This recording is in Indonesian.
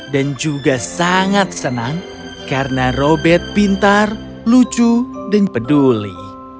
dan juga sangat senang karena robert pintar lucu dan peduli